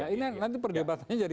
ini nanti perdebatannya jadi